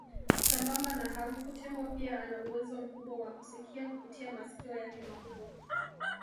Sambamba na harufu tembo pia ana uwezo mkubwa wa kusikia kupitia masikio yake makubwa